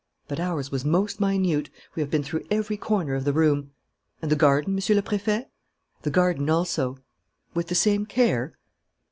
"But ours was most minute. We have been through every corner of the room." "And the garden, Monsieur le Préfet?" "The garden also." "With the same care?"